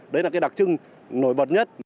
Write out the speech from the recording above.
đấy là đặc trưng nổi bật nhất